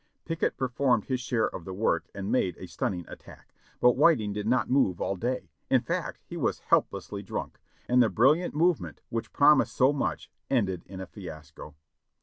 Pickett performed his share of the work and made a stunning attack, but Whiting did not move all day ; in fact he was help lessly drunk, and the brilliant movement, which promised so much, ended in a fiasco.